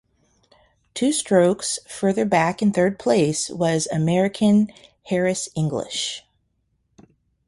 Two strokes further back in third place was American Harris English.